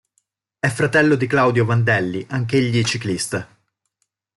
È fratello di Claudio Vandelli, anch'egli ciclista.